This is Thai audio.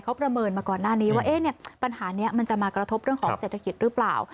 เขาประเมินมาก่อนหน้านี้ว่าปัญหานี้มันจะมากระทบเรื่องของเศรษฐกิจหรือเปล่า